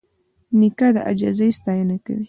نیکه د عاجزۍ ستاینه کوي.